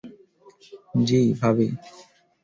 জি, ভাবি।